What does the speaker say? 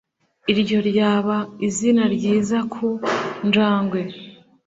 Iryo ryaba izina ryiza ku njangwe